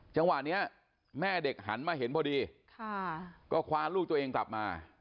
จังหวะนี้แม่เด็กหันมาเห็นพอดีก็คว้าลูกตัวเองกลับมา